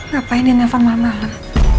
gapain dia neven malem malem